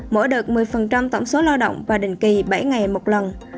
mỗi đợt một mươi tổng số lao động và định kỳ bảy ngày một lần